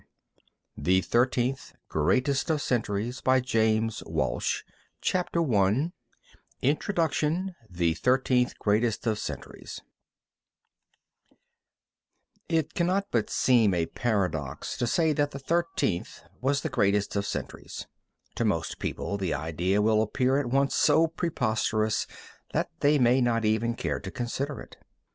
Map of World (Hereford) Opposite page 463 {xxx} I INTRODUCTION THE THIRTEENTH, THE GREATEST OF CENTURIES It cannot but seem a paradox to say that the Thirteenth was the greatest of centuries. To most people the idea will appear at once so preposterous that they may not even care to consider it.